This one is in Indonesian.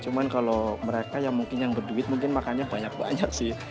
cuma kalau mereka ya mungkin yang berduit mungkin makannya banyak banyak sih